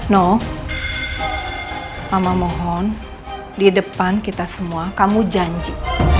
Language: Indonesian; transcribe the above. no mama mohon di depan kita semua kamu janji